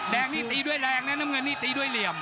แดงนี่ตีด้วยแรงนะน้ำเงินนี่ตีด้วยเหลี่ยม